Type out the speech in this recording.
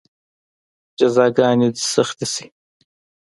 جزاګانې دې سختې شي.